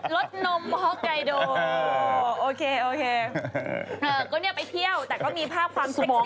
รถนมฮอกไกโดโอเคก็นี่ไปเที่ยวแต่ก็มีภาพความเซ็กซี่มาก